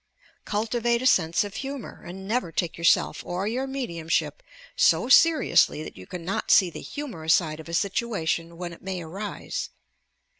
Cultivate a sense of humour, and never take yourself or your mediumship so seriously that you cannot see the humorous side of a situation when it may arise.